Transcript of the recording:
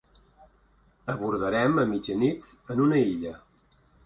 Abordàrem a mitjanit en una illa.